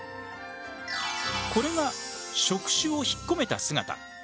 これが触手を引っ込めた姿！